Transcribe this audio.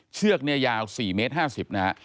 เชือกเนี่ยยาว๔เมตร๕๐นะฮะ